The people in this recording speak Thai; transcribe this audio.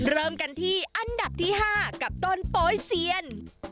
เริ่มกันที่อันดับที่๕กับต้นโป๊ยเซียน